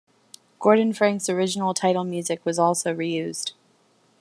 Gordon Franks' original title music was also re-used.